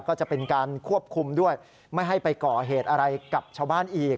ก็จะเป็นการควบคุมด้วยไม่ให้ไปก่อเหตุอะไรกับชาวบ้านอีก